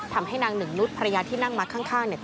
ทำให้นางหนึ่งนุษย์ภรรยาที่นั่งมาข้างเนี่ย